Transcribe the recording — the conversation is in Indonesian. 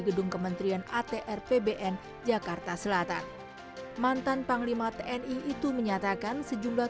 gedung kementerian atr pbn jakarta selatan mantan panglima tni itu menyatakan sejumlah